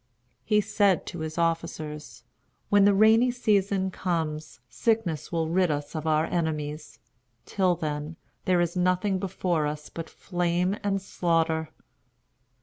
He said to his officers: "When the rainy season comes, sickness will rid us of our enemies. Till then there is nothing before us but flame and slaughter."